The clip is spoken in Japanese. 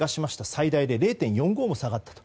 最大で０．４５の差があったと。